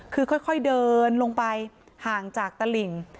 คือค่อยเดินลงไปห่างจากตลิ่ง